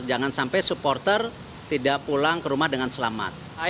jangan sampai supporter tidak pulang ke rumah dengan selamat